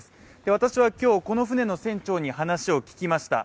私は今日、この船の船長に話を聞きました。